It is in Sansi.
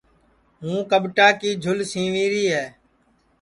ہوں کٻٹا کی جُھول سیوری